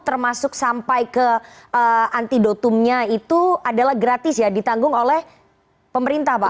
termasuk sampai ke antidotumnya itu adalah gratis ya ditanggung oleh pemerintah pak